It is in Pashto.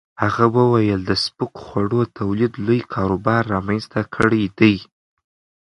هغه وویل د سپکو خوړو تولید لوی کاروبار رامنځته کړی دی.